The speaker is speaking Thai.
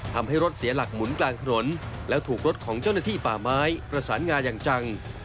ทำให้รถเสียหลักหมุนกลางถนนแล้วถูกรถของเจ้าหน้าที่ป่าไม้ประสานงาอย่างจัง